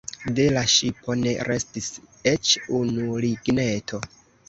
De la ŝipo ne restis eĉ unu ligneto.